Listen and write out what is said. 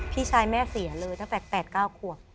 พี่ชายแม่เสียเลยตั้งแต่๘๙ขวบ